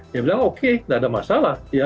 dia bilang oke tidak ada masalah